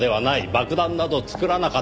爆弾など作らなかった。